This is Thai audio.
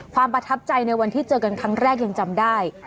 ประทับใจในวันที่เจอกันครั้งแรกยังจำได้